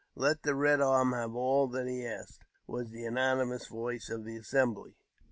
Let the Red Arm have all that he asks," was the unanimous voice of the assembly.